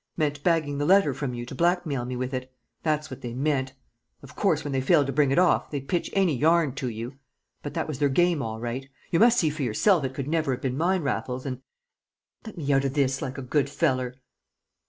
Meant bagging the letter from you to blackmail me with it; that's what they meant! Of course, when they failed to bring it off, they'd pitch any yarn to you. But that was their game all right. You must see for yourself it could never have been mine, Raffles, and and let me out o' this, like a good feller!"